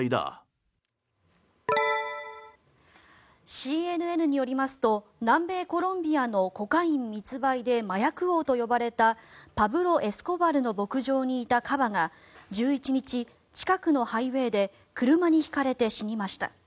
ＣＮＮによりますと南米コロンビアのコカイン密売で麻薬王と呼ばれたパブロ・エスコバルの牧場にいたカバが１１日、近くのハイウェーで車にひかれて死にました。